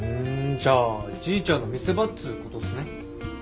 じゃあじいちゃんの見せ場っつうことっすね。